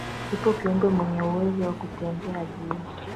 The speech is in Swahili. yupo kiumbe mwenye uwezo wa kutembea juu